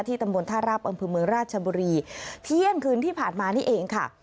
ตำบลท่าราบอำเภอเมืองราชบุรีเที่ยงคืนที่ผ่านมานี่เองค่ะ